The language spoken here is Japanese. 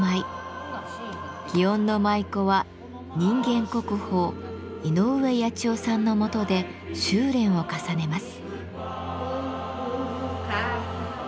園の舞妓は人間国宝・井上八千代さんのもとで修練を重ねます。